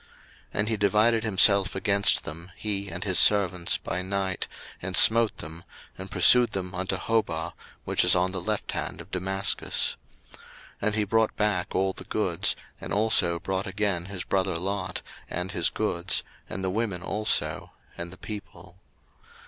01:014:015 And he divided himself against them, he and his servants, by night, and smote them, and pursued them unto Hobah, which is on the left hand of Damascus. 01:014:016 And he brought back all the goods, and also brought again his brother Lot, and his goods, and the women also, and the people.